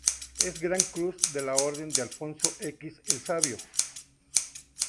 Es Gran Cruz de la Orden de Alfonso X el Sabio.